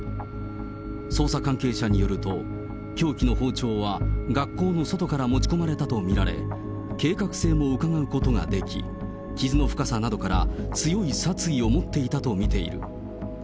捜査関係者によると、凶器の包丁は学校の外から持ち込まれたと見られ、計画性もうかがうことができ、傷の深さなどから、強い殺意を持っていたと見ている。